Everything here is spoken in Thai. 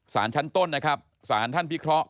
สารชั้นต้นนะครับสารท่านพิเคราะห์